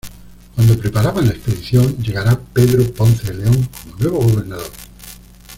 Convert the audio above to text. Cuando preparaban la expedición llegará Pedro Ponce de León como nuevo gobernador.